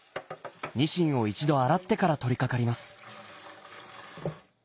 ニシンを一度洗ってから取りかかります。